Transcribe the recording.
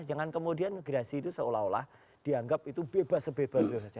jangan kemudian migrasi itu seolah olah dianggap itu bebas sebebas